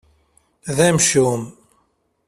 D amcum.